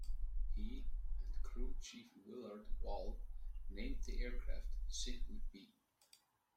He and crew chief Willard Wahl named the aircraft simply Bee.